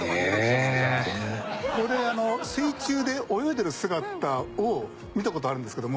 これ水中で泳いでる姿を見た事あるんですけども。